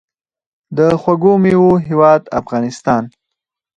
د خوږو میوو هیواد افغانستان.